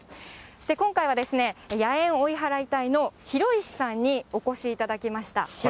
今回は野猿追い払い隊の広石さんにお越しいただきました。